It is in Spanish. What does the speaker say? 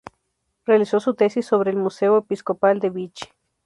Realizó su tesis sobre el Museo Episcopal de Vich.